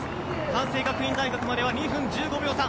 関西学院大学まで２分１５秒差。